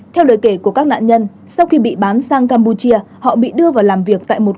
theo lời kể của các nạn nhân sau khi bị bán sang campuchia họ bị đưa vào làm việc tại một